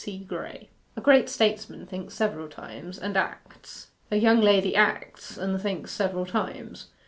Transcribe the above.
'C. GRAYE.' A great statesman thinks several times, and acts; a young lady acts, and thinks several times.